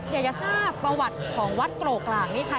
อยากจะทราบประวัติของวัดโกรกกลางนี่ค่ะ